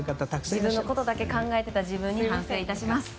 自分のことだけ考えていた自分に反省いたします。